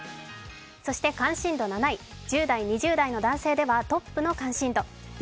関心度７位１０代、２０代の男性ではトップの関心度